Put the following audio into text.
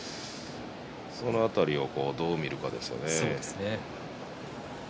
その辺りをどう見るかですね。